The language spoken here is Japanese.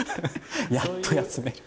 やっと休める。